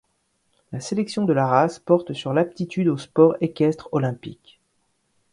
La sélection de la race porte sur l'aptitude aux sports équestres olympiques.